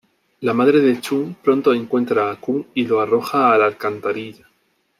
La madre de Chun pronto encuentra a Kun y lo arroja a la alcantarilla.